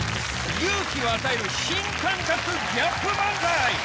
勇気を与える新感覚ギャップ漫才。